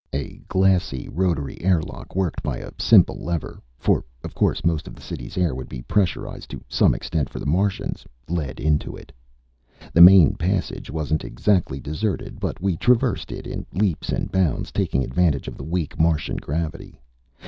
A glassy rotary airlock worked by a simple lever for, of course, most of the city's air would be pressurized to some extent for the Martians led into it. The main passage wasn't exactly deserted, but we traversed it in leaps and bounds, taking advantage of the weak Martian gravity.